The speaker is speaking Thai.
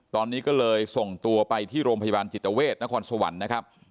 ตอนนี้ก็เลยส่งตัวไปที่โรงพยาบาลจิตเวทนครสวรรค์นะครับ